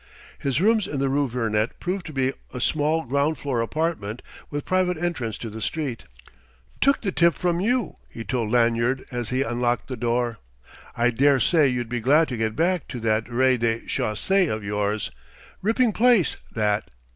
His rooms in the rue Vernet proved to be a small ground floor apartment with private entrance to the street. "Took the tip from you," he told Lanyard as he unlocked the door. "I daresay you'd be glad to get back to that rez de chaussée of yours. Ripping place, that....